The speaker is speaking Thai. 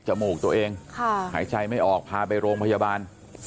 มูกตัวเองหายใจไม่ออกพาไปโรงพยาบาล